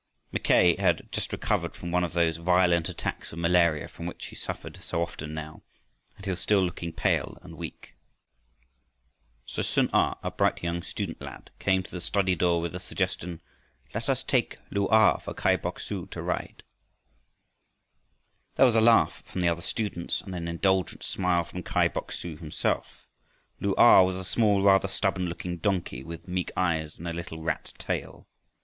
Mackay had just recovered from one of those violent attacks of malaria from which he suffered so often now, and he was still looking pale and weak. So Sun a, a bright young student lad, came to the study door with the suggestion, "Let us take Lu a for Kai Bok su to ride." There was a laugh from the other students and an indulgent smile from Kai Bok su himself. Lu a was a small, rather stubborn looking donkey with meek eyes and a little rat tail.